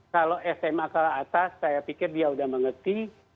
kalau sma ke atas saya pikir dia sudah mengerti